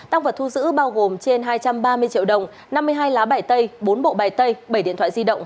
tăng vật thu giữ bao gồm trên hai trăm ba mươi triệu đồng năm mươi hai lá bài tay bốn bộ bài tay bảy điện thoại di động